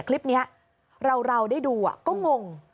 คลิปนี้เราได้ดูก็งง